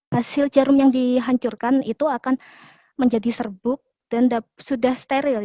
hasil jarum yang dihancurkan itu akan menjadi serbuk dan sudah steril